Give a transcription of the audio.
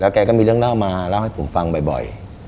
แกก็มีเรื่องเล่ามาเล่าให้ผมฟังบ่อย